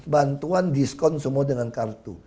bantuan diskon semua dengan kartu